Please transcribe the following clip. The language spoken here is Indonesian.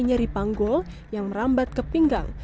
nyeri panggul yang merambat ke pinggang